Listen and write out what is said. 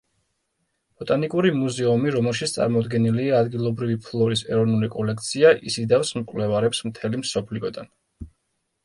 ბოტანიკური მუზეუმი, რომელშიც წარმოდგენილია ადგილობრივი ფლორის ეროვნული კოლექცია, იზიდავს მკვლევარებს მთელი მსოფლიოდან.